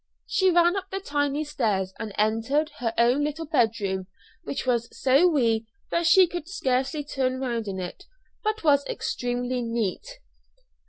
She ran up the tiny stairs, and entered her own little bedroom, which was so wee that she could scarcely turn round in it, but was extremely neat.